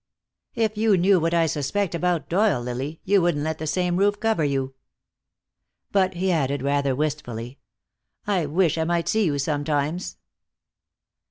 "If you knew what I suspect about Doyle, Lily, you wouldn't let the same roof cover you." But he added, rather wistfully, "I wish I might see you sometimes."